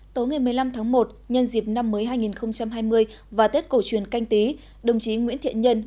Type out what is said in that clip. tối ngày một mươi năm tháng một nhân dịp năm mới hai nghìn hai mươi và tết cổ truyền canh tí đồng chí nguyễn thiện nhân